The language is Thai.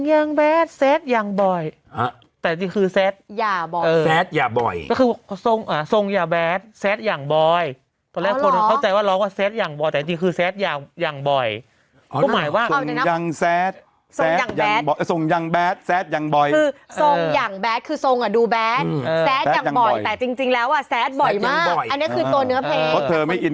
เมื่อเข้าใจว่าน้องเขาบอกว่าคลนชอบล้องผิด